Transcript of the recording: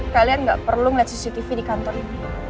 kalian nggak perlu melihat cctv di kantor ibu